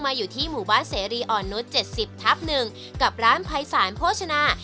มาอยู่ที่หมู่บ้านเสรีอ่อนนุษย์เจ็ดสิบทับหนึ่งกับร้านภัยสารโภชนา